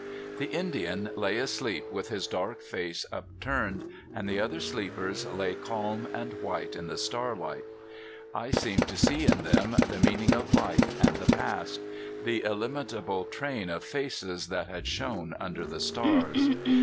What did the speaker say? The Indian lay asleep with his dark face upturned, and the other sleepers lay calm and white in the starlight. I seemed to see in them the meaning of life and the past the illimitable train of faces that had shone under the stars.